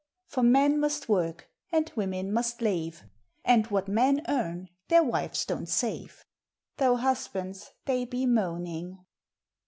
For men must work, and women must lave, And what men earn their wives don't save, Though husbands they be moaning.